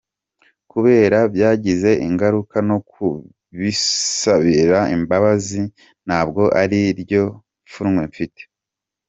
Kuberako byagize ingaruka, no kubisabira imbabazi ntabwo ari ryo pfunwe mfite.